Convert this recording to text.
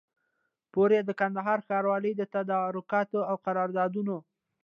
پوري د کندهار ښاروالۍ د تدارکاتو او قراردادونو